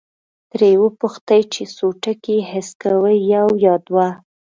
ترې وپوښتئ چې څو ټکي حس کوي، یو یا دوه؟